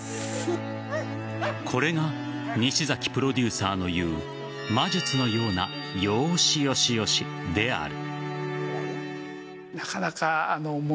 これが西崎プロデューサーの言う魔術のようなよーし、よしよしである。